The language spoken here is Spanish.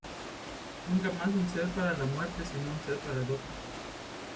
Nunca más un ser para la muerte sino un ser para el Otro.